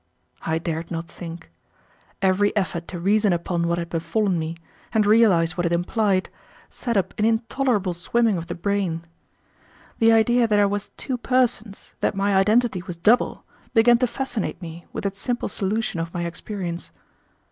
I dared not think. Every effort to reason upon what had befallen me, and realize what it implied, set up an intolerable swimming of the brain. The idea that I was two persons, that my identity was double, began to fascinate me with its simple solution of my experience.